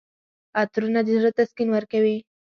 عطرونه د زړه تسکین ورکوي.